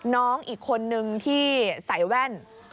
น้องอีกคนนึงที่ใส่แว่น